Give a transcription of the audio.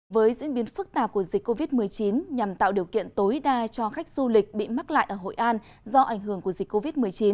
với diễn biến phức tạp của dịch covid một mươi chín nhằm tạo điều kiện tối đa cho khách du lịch bị mắc lại ở hội an do ảnh hưởng của dịch covid một mươi chín